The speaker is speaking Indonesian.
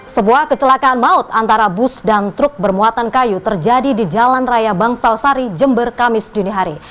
sebuah kecelakaan maut antara bus dan truk bermuatan kayu terjadi di jalan raya bangsal sari jember kamis dinihari